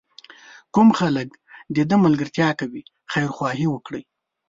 کوم خلک د ده ملګرتیا کوي خیرخواهي وکړي.